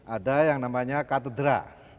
ada yang namanya katedra